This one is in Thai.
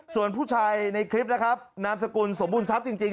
ส่วนผู้ชายในคลิปนะครับนามสกุลสมบูรณทรัพย์จริง